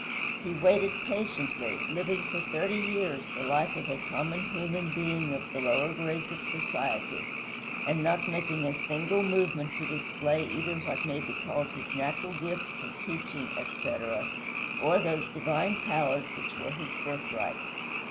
He waited patiently, living for thirty years the life of a common human being of the lower grades of society, and not making a single movement to display either what may be called his natural gifts, of teaching, etc., or those divine powers which were his birthright.